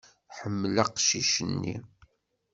Tḥemmel aqcic-nni.